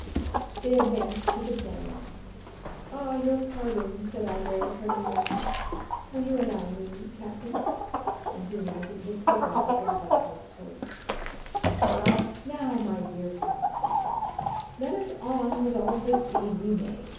They advanced to the plain. "Ah, your pardon," said Albert, turning round; "will you allow me, captain?" And he lighted his cigar at Vampa's torch. "Now, my dear count," he said, "let us on with all the speed we may.